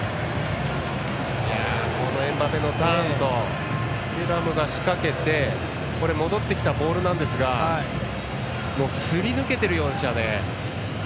エムバペのターンとテュラムが仕掛けて戻ってきたボールなんですがすり抜けているようでしたね。